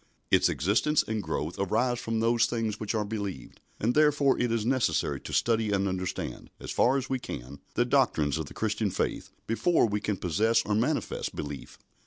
Its existence and growth arise from those things which are believed, and therefore it is necessary to study and understand, as far as we can, the doctrines of the Christian faith before we can possess or manifest belief.